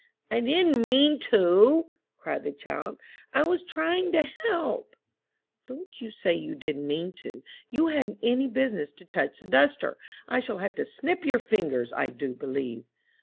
"I didn't mean to," cried the child; "I was trying to help." "Don't say you didn't mean to; you hadn't any business to touch the duster. I shall have to snip your fingers, I do believe."